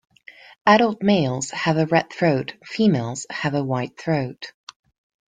Adult males have a red throat; females have a white throat.